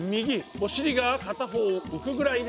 お尻が片方浮くぐらいね。